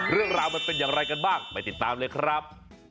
เรื่องราวมันเป็นอย่างไรกันบ้างไปติดตามเลยครับ